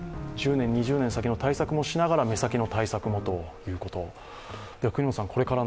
１０年、２０年先対策もしながら目先の対策もということ。